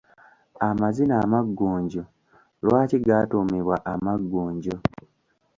Amazina amaggunju, lwaki gaatuumibwa amaggunju?